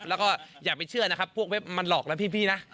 แล้วก็อย่าไปเชื่อนะครับพวกเว็บมันหลอกแล้วพี่นะ